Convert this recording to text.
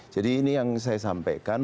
jadi ini yang saya sampaikan